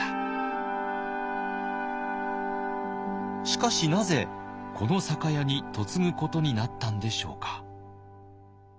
しかしなぜこの酒屋に嫁ぐことになったんでしょうか。